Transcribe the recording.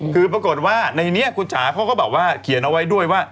คือปรากฏว่าในนี้คุณจ๋าเขาก็แบบว่าเขียนเอาไว้ด้วยว่า